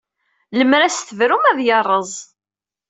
Lemmer ad as-tebrum, ad yerẓ.